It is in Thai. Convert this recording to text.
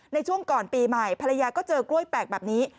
ในช่วงก่อนปีใหม่ภรรยาก็เจอกล้วยแปลกแบบนี้